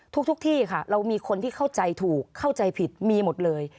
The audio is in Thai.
ทุกที่ค่ะเรามีคนที่เข้าใจถูกเข้าใจผิดมีหมดเลย